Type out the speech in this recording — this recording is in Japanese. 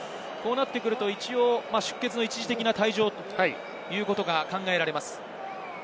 こうなってくると一応出血の一時的な退場ということが考えられます。